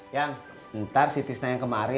yang ntar si tisna yang kemarin